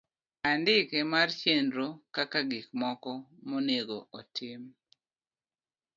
Andike mar chenro kaka gik moko monego otim.